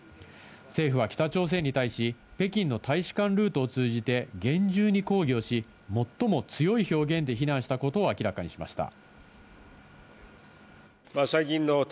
政府は北朝鮮に対し北京の大使館ルートを通じて厳重に抗議をし、最も強い表現で非難したことを明らかにしました。